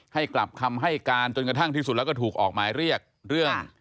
กลับคำให้การจนกระทั่งที่สุดแล้วก็ถูกออกหมายเรียกเรื่อง